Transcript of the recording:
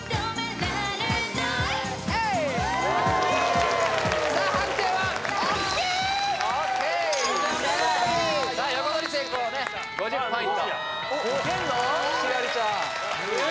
やばいさあ横取り成功ね５０ポイントえ